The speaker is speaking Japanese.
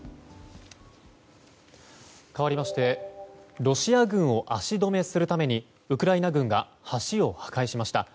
かわりましてロシア軍を足止めするためにウクライナ軍が橋を破壊しました。